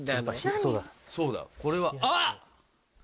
そうだこれはあっ！